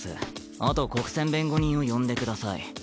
あと国選弁護人を呼んでください